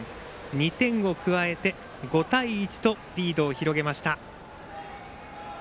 ２点を加えて５対１とリードを広げました。